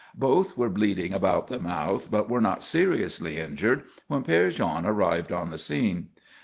Both were bleeding about the mouth but were not seriously injured when Père Jean arrived on the scene.